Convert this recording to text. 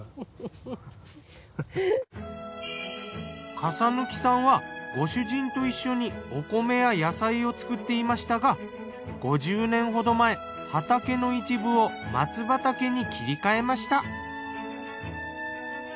笠貫さんはご主人と一緒にお米や野菜を作っていましたが５０年ほど前畑の一部を松畑に切り替えました。